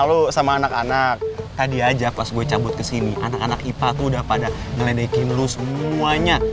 jadi lo gak malu sama anak anak tadi aja pas gue cabut kesini anak anak ipa tuh udah pada ngelendekin lo semuanya